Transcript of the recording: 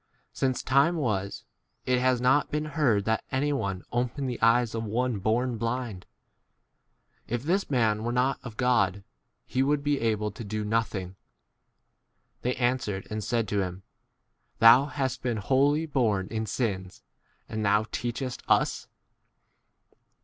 Since time was, it has not been heard that anyone opened the eyes of 33 one born blind. If this [man] were not of God he would be able 34 to do nothing. They answered and said to him, Thou * hast been wholly born in sins, and thou* teachest us